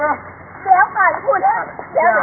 ขอบคุณที่ทำดีดีกับแม่ของฉันหน่อยครับ